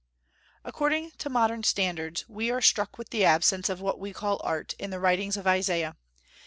According to modern standards, we are struck with the absence of what we call art, in the writings of Isaiah.